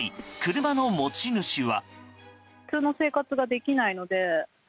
車の持ち主は。